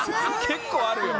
結構あるよ